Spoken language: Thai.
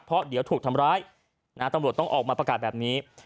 เพราะเดี๋ยวถูกทำร้ายตำรวจต้องออกมาประกาศแบบนี้